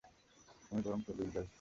আমি বরং চলেই যাই।